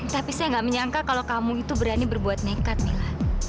tapi saya gak menyangka kalau kamu itu berani berbuat nekat nih lah